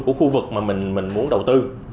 của khu vực mà mình muốn đầu tư